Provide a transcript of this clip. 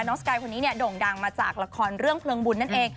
สกายคนนี้เนี่ยโด่งดังมาจากละครเรื่องเพลิงบุญนั่นเอง